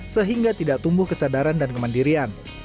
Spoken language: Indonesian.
sehingga tidak tumbuh kesadaran dan kemandirian